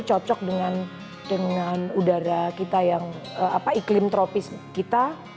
cocok dengan udara kita yang iklim tropis kita